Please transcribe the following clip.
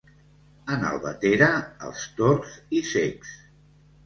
En Albatera, els torts i cecs.